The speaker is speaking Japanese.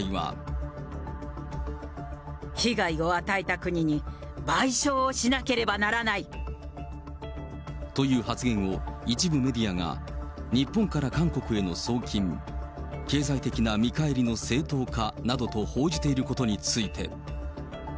被害を与えた国に賠償をしなという発言を、一部メディアが日本から韓国への送金、経済的な見返りの正当化などと報じていることについて。